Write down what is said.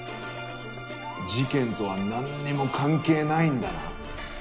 事件とはなんにも関係ないんだな？